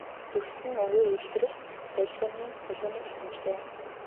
Дүрслэл нь үгээр илрэх долгионы давтамжтай.